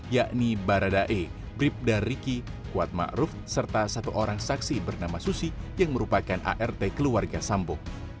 yakni baradae bribda riki kuatma ruf serta satu orang saksi bernama susi yang merupakan art keluarga sambo